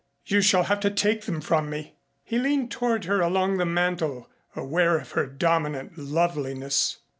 You shall have to take them from me." He leaned toward her along the mantel aware of her dominant loveliness.